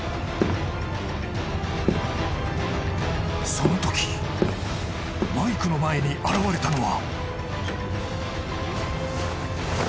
［そのときマイクの前に現れたのは］